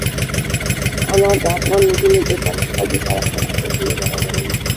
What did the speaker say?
انار د افغان نجونو د پرمختګ لپاره ښه فرصتونه برابروي.